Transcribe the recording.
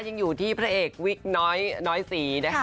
ยังอยู่ที่พระเอกวิกน้อยศรีนะคะ